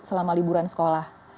selama liburan sekolah